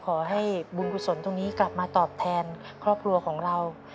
ขอให้บุญกุศลตรงนี้กลับมาตอบแทนครอบครัวของเรา